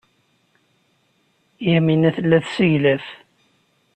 Yamina tella tesseglaf.